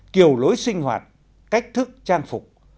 kiều lối sinh hoạt cách thức trang phục